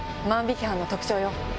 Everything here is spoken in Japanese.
万引き犯の特徴よ。